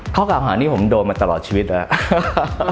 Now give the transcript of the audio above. เข้ากล่าวหาวนี้ผมโดนมาตลอดชีวิตแล้ว